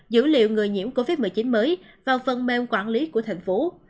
dữ liệu người nhiễm covid một mươi chín mới vào phần mềm quản lý của thành phố